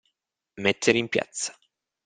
Mettere in piazza.